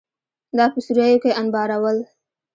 دا په سوریو کې انبارول.